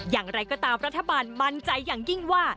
อย่างไรก็ตามรัฐบาลมั่นใจอย่างยิ่งว่า